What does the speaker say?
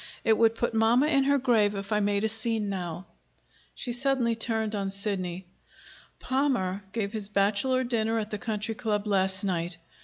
It would put mamma in her grave if I made a scene now." She suddenly turned on Sidney. "Palmer gave his bachelor dinner at the Country Club last night.